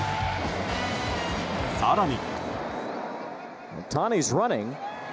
更に。